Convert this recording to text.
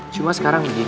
cuma sekarang begini